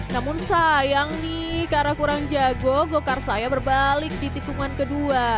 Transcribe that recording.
namun sayang nih karena kurang jago go kart saya berbalik di tikungan kedua